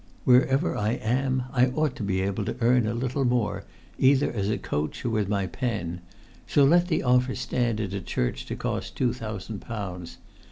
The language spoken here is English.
Wherever I am I ought to be able to earn a little more, either as a coach or with my pen; so let the offer stand at a church to cost two thousand pounds.